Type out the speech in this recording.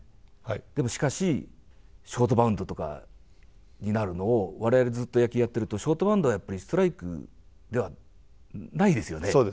でもしかし、ショートバウンドとかになるのを、われわれずっと野球やってると、ショートバウンドは、やっぱりストライクではないですよね。